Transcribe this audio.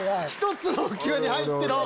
１つの浮輪に入ってる。